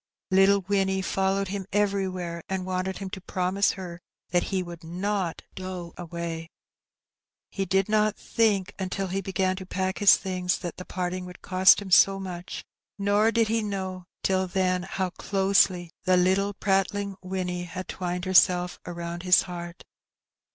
Little Winnie followed him everywhere, and wanted him to The Question Settled. 277 promise her that he would not ^^ do away/' He did not think until he began to pack his things that the parting would cost him so much, nor did he know till then how closely the little prattling Winnie had twined herself around his heart.